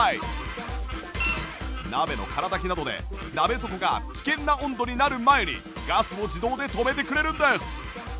鍋の空だきなどで鍋底が危険な温度になる前にガスを自動で止めてくれるんです